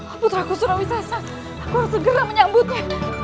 aputraku surawi sesat aku harus segera menyambutnya